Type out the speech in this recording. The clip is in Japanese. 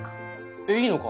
えっいいのか？